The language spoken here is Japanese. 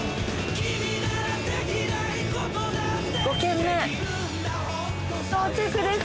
５軒目到着です。